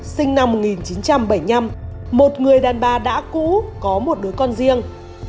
sinh năm một nghìn chín trăm bảy mươi năm một người đàn bà đã cũ có một đứa con riêng